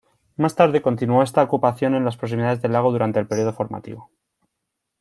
Más tarde continuo esta ocupación en las proximidades del lago durante el periodo formativo.